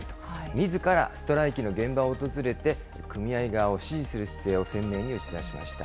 みずから、ストライキの現場を訪れて、組合側を支持する姿勢を鮮明に打ち出しました。